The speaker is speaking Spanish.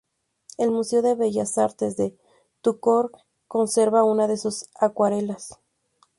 El Museo de Bellas Artes de Tourcoing conserva una de sus acuarelas.